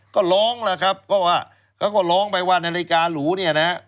ก็ร้องล่ะครับก็ว่าเขาก็ร้องไปว่านาฬิกาหรูเนี่ยนะฮะ